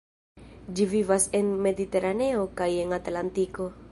Ĝi vivas en Mediteraneo kaj en Atlantiko.